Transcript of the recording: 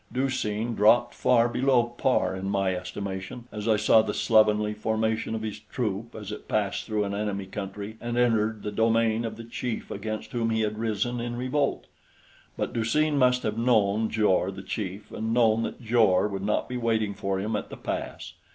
Du seen dropped far below par in my estimation as I saw the slovenly formation of his troop as it passed through an enemy country and entered the domain of the chief against whom he had risen in revolt; but Du seen must have known Jor the chief and known that Jor would not be waiting for him at the pass.